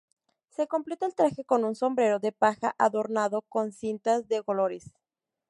Se completa el traje con un sombrero de paja adornado con cintas de colores.